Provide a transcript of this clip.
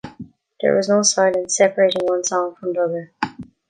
There was no silence separating one song from the other.